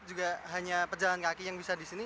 juga hanya pejalan kaki yang bisa disini